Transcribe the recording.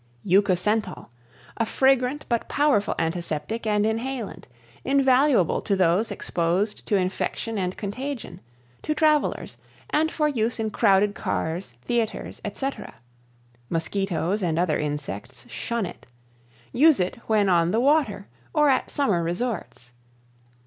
Euca Scentol A fragrant but powerful Antiseptic and Inhalant. Invaluable to those exposed to infection and contagion; to travelers; and for use in crowded cars, theatres, etc. Mosquitoes and other insects shun it. Use it when on the water or at summer resorts.